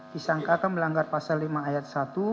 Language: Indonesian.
disangkakan melanggar pasal lima ayat satu